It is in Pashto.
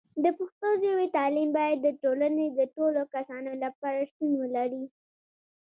د پښتو ژبې تعلیم باید د ټولنې د ټولو کسانو لپاره شتون ولري.